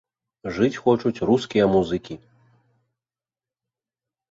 Жыць хочуць рускія музыкі!